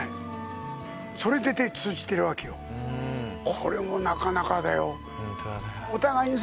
これもなかなかだよ。